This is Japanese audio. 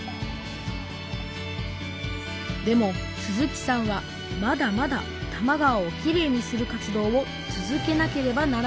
でも鈴木さんはまだまだ多摩川をきれいにする活動を続けなければならないと言います